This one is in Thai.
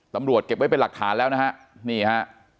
เก็บไว้เป็นหลักฐานแล้วนะฮะนี่ฮะ